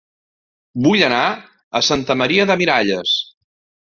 Vull anar a Santa Maria de Miralles